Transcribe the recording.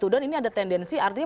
dan ini ada tendensi artinya